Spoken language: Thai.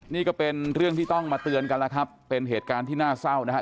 นี่ก็เป็นเรื่องที่ต้องมาเตือนกันแล้วครับเป็นเหตุการณ์ที่น่าเศร้านะครับ